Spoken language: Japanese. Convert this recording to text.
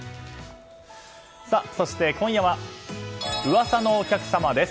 そして、今夜は「ウワサのお客さま」です。